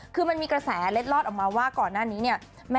คือมันมีกระแสเล็ดลอดออกมาว่าก่อนหน้านี้เนี่ย